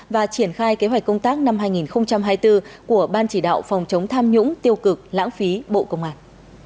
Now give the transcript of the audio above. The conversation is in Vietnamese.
và triển khai kế hoạch công tác năm hai nghìn hai mươi bốn của ban chỉ đạo phòng chống tham nhũng tiêu cực lãng phí bộ công an